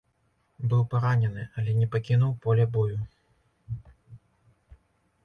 Быў паранены, але не пакінуў поле бою.